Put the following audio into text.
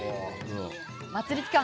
祭り期間